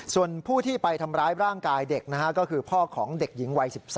ส่วนผู้ที่ไปทำร้ายร่างกายเด็กนะฮะก็คือพ่อของเด็กหญิงวัย๑๓